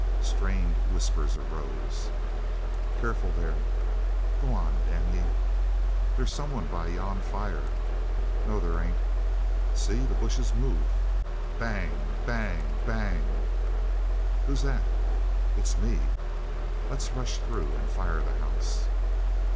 Strained whispers arose. "Careful there!" "Go on, damn ye!" "There's some one by yon fire." "No, there ain't." "See the bushes move." Bang! bang! bang! "Who's that?" "It's me." "Let's rush through and fire the house."